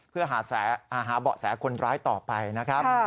เพื่อหาเบาะแสคนร้ายต่อไปนะครับ